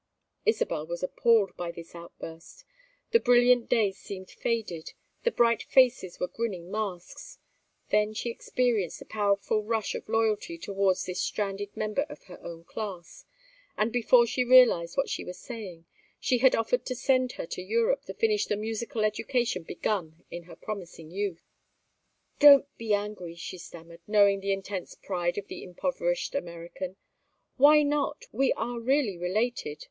Isabel was appalled by this outburst. The brilliant day seemed faded, the bright faces were grinning masks. Then she experienced a powerful rush of loyalty towards this stranded member of her own class, and before she realized what she was saying, she had offered to send her to Europe to finish the musical education begun in her promising youth. "Don't be angry," she stammered, knowing the intense pride of the impoverished American. "Why not? We are really related.